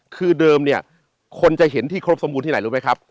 คือเดิมเนี่ยคนจะเห็นที่ครบสมบูที่ไหนรู้ไหมครับ